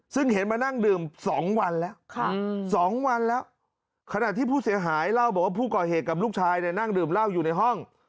ซึ่งเห็นมานั่งดื่ม๒วันแล้ว๒วันแล้วขณะที่ผู้เสียหายเล่าบอกว่าผู้ก่อเหตุกับลูกชายเนี่ยนั่งดื่มเหล้าอยู่ในห้อง